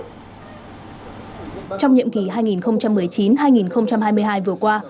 trong nhiệm kỳ hai nghìn một mươi chín hai nghìn hai mươi hai vừa qua